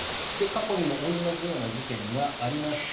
過去にも同じような事件がありました。